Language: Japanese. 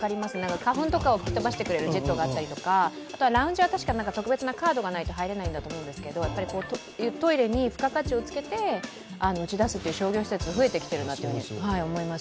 花粉とかを吹き飛ばしてくれるジェットがあったりとか、ラウンジは特別なカードがなくちゃ入れないと思うんですけれども、トイレに付加価値をつけて打ち出す商業施設が増えていると思います。